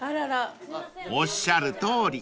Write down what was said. ［おっしゃるとおり］